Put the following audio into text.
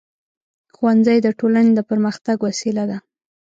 ښوونځی د ټولنې د پرمختګ وسیله ده.